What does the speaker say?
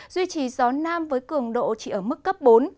duy trì gió nam với cường độ chỉ ở mức cấp bốn